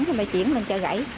thì chuyển mình cho gãy